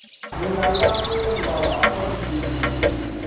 Vinyaɣililana puli niŋ wɔɣawɔɣa ku niŋ kiŋkiŋ.